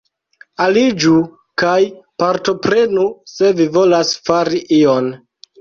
Aliĝu kaj partoprenu, se vi volas fari ion.